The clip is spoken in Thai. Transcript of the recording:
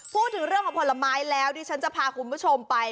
พูดถึงเรื่องของผลไม้แล้วดิฉันจะพาคุณผู้ชมไป